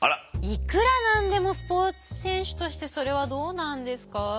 いくら何でもスポーツ選手としてそれはどうなんですか？